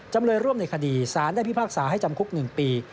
จำเลยร่วมในคดีสารได้พิพากษาให้จำคุก๑ปี